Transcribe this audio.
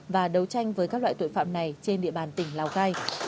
và đấu tranh với các loại tội phạm này trên địa bàn tỉnh lào cai